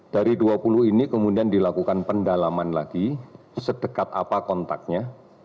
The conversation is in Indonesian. dari dua puluh ini kemudian dilakukan pendalaman lagi sedekat apa kontaknya